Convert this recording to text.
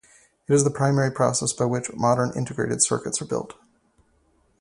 It is the primary process by which modern integrated circuits are built.